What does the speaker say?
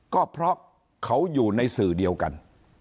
ก็เพราะเขาอยู่ในสื่อเดียวกัน